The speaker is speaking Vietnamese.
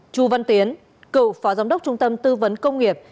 chu văn tiến cựu phó giám đốc trung tâm tư vấn công nghiệp